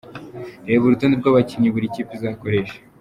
Reba Urutonde rw’abakinnyi buri kipe izakoresha.